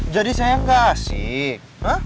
jadi sayang gak asik